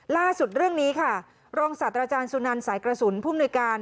ล่าสุดเรื่องนี้ค่ะรองสัตว์อาจารย์สุนัลสายกระสุนภูมิหน่วยการ